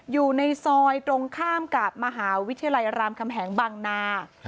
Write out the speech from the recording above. อยู่ในซอยตรงข้ามกับมหาวิทยาลัยรามคำแหงบางนา